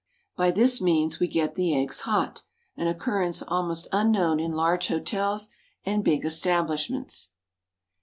By this means we get the eggs hot, an occurrence almost unknown in large hotels and big establishments.